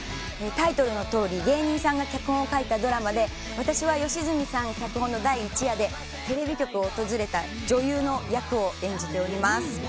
タイトルのとおり芸人さんが脚本を書いたドラマで私は吉住さん脚本の第１夜でテレビ局を訪れた女優の役を演じております。